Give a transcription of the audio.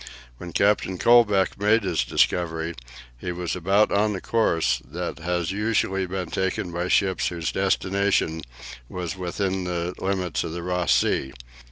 When Captain Colbeck made his discovery, he was about on the course that has usually been taken by ships whose destination was within the limits of Ross Sea.